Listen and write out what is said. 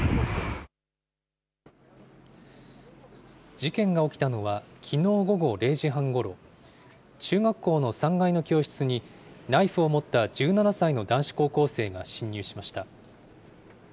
事件が起きたのは、きのう午後０時半ごろ、中学校の３階の教室に、ナイフを持った１７歳の男子高校生が侵入しました。